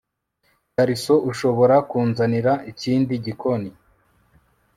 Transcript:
garcon, ushobora kunzanira ikindi gikoni